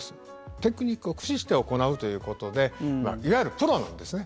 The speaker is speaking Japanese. テクニックを駆使して行うということでいわゆるプロなんですね。